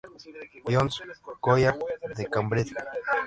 John´s Collage de Cambridge.